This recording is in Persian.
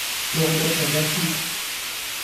شغل شما چیست؟